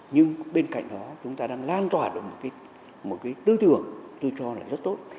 nhưng bên cạnh đó chúng ta đang lan tỏa được một cái tư tưởng tôi cho là rất tốt